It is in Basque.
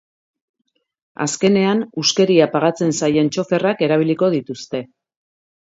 Azkenean, huskeria pagatzen zaien txoferrak erabiliko dituzte.